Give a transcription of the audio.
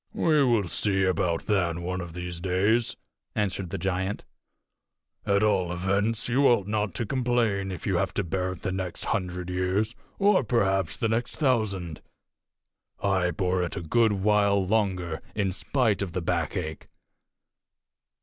"We will see about that one of these days," answered the giant. "At all events, you ought not to complain if you have to bear it the next hundred years, or perhaps the next thousand. I bore it a good while longer, in spite of the backache.